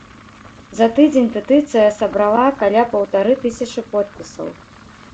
За тыдзень петыцыя сабрала каля паўтары тысячы подпісаў.